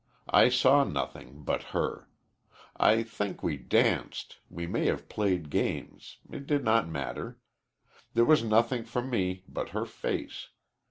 I saw nothing but her. I think we danced we may have played games it did not matter. There was nothing for me but her face.